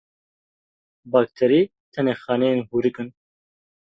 Bakterî tenê xaneyên hûrik in.